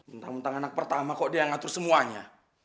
entah entah anak pertama kok dia yang ngatur semuanya